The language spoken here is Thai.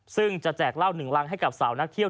ซึ่งจะแจกเหล้าหนึ่งรังให้กับสาวนักเที่ยว